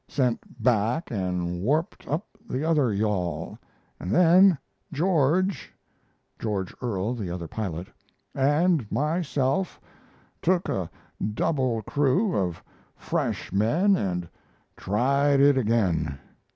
Sent back and warped up the other yawl, and then George (George Ealer, the other pilot) and myself took a double crew of fresh men and tried it again.